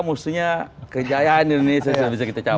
mestinya kejayaan di indonesia sudah bisa kita capai